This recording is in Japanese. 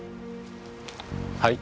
はい？